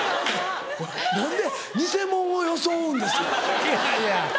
何で偽者を装うんですか？